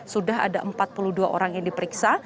sudah ada empat puluh dua orang yang diperiksa